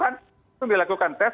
kalau dia ada keluhan itu dilakukan tes